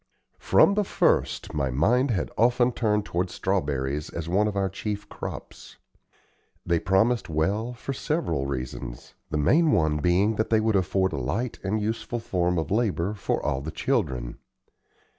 From the first, my mind had often turned toward strawberries as one of our chief crops. They promised well for several reasons, the main one being that they would afford a light and useful form of labor for all the children.